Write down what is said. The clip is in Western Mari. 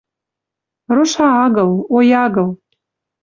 Роша агыл, ой, агыл